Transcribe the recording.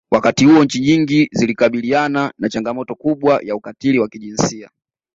Wakati huo nchi nyingi zikikabiliana na changamoto kubwa ya ukatili wa kijinsia